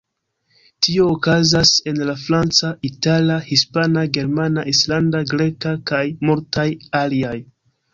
Tio okazas en la franca, itala, hispana, germana, islanda, greka, kaj multaj aliaj.